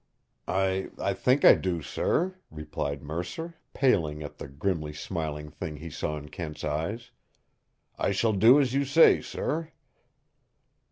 "I I think I do, sir," replied Mercer, paling at the grimly smiling thing he saw in Kent's eyes. "I shall do as you say, sir."